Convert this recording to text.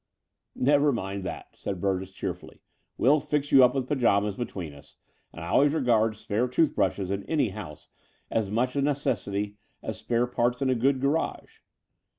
"Never mind that," said Burgess cheerfully. "We'll fix you up with pyjamas between us: and I always regard spare toothbrushes in any house as much a necessity as spare parts in a good garage."